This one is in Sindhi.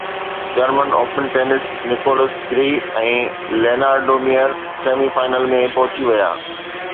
German open tennis Nicolas Jarry ۽ Leonardo Mayer semi final ۾ پهچي ويا